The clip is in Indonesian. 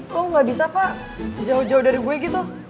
kok gak bisa pak jauh jauh dari gue gitu